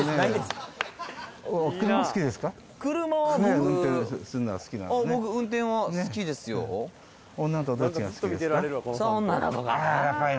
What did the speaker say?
運転するのが好きなんですね